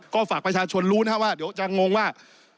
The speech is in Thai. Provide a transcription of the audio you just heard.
ก็ฝากประชาชนรู้นะครับว่าเดี๋ยวจะงงว่า